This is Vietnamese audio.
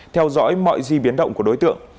theo dõi mọi di biến động của đối tượng